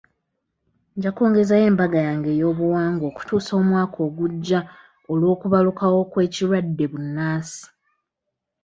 Nja kwongezaayo embaga yange ey'obuwangwa okutuusa omwaka ogujja olw'okubalukawo kw'ekirwadde bbunansi.